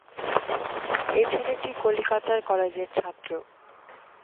এ ছেলেটি কলিকাতার কলেজের ছাত্র।